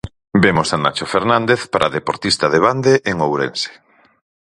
Vemos a Nacho Fernández, paradeportista de Bande, en Ourense.